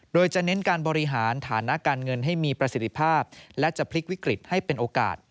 โดยจะเน้นการบริหารฐานะการเงินให้มีประสิทธิภาพและจะพลิกวิกฤตให้เป็นโอกาส